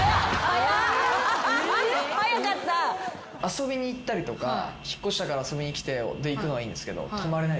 遊びに行ったりとか引っ越したから遊びに来てで行くのはいいんですけど。